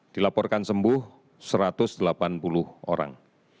dilaporkan sembuh satu ratus delapan puluh orang